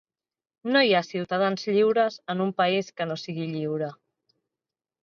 No hi ha ciutadans lliures en un país que no sigui lliure.